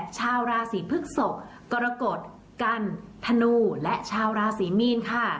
ชาวราศีพฤกษกกรกฎกันธนูและชาวราศีมีนค่ะ